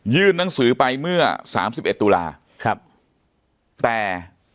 ยื่นนังสือไปเมื่อ๓๑ตุลาค์แต่